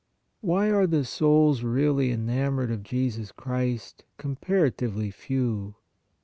Why are the souls really enamored of Jesus Christ, comparatively few